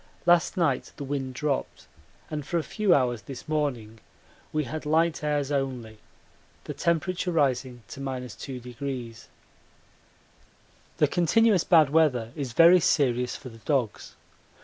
Last night the wind dropped, and for a few hours this morning we had light airs only, the temperature rising to 2°. The continuous bad weather is very serious for the dogs.